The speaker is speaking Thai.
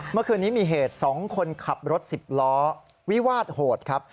เมื่อคืนนี้มีเหตุ๒คนขับรถ๑๐ล้อวิวาสโหดครับ